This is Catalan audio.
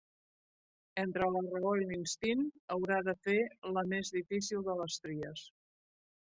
Entre la raó i l'instint, haurà de fer la més difícil de les tries.